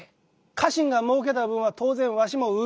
家臣がもうけた分は当然わしも潤うし